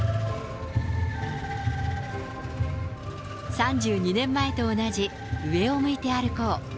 ３２年前と同じ、上を向いて歩こう。